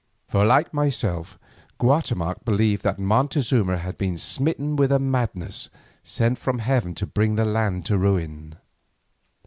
For like myself, Guatemoc believed that Montezuma had been smitten with a madness sent from heaven to bring the land to ruin.